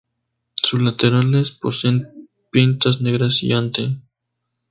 Sus laterales poseen pintas negras y ante.